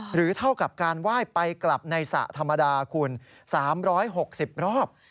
หรือเท่ากับการว่ายไปกลับในสระธรรมดา๓๖๐รอบ